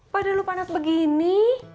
padahal lu panas begini